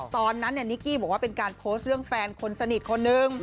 ตอนนั้นนิกกี้บอกว่าเป็นการโพสต์เรื่องแฟนคนสนิทคนนึง